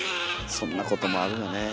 そんなこともあるよね。